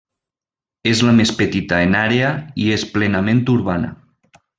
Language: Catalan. És la més petita en àrea i és plenament urbana.